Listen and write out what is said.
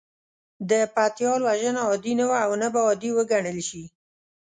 د پتيال وژنه عادي نه وه او نه به عادي وګڼل شي.